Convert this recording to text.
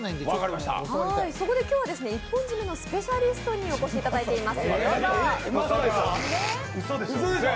今日は一本締めのスペシャリストにお越しいただいています。